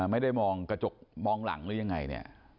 ไม่ได้มองกระจกมองหลังหรือยังไงเนี่ย